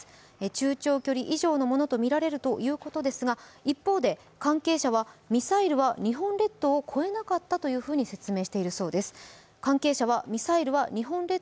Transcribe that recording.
中・長距離以上のものとみられるということですが、一方で関係者はミサイルは日本列島を越えなかったと説明しているそうです。